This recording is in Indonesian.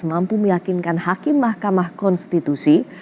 mampu meyakinkan hakim mahkamah konstitusi